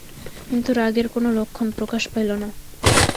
কিন্তু রাগের কোনো লক্ষণ প্রকাশ পাইল না।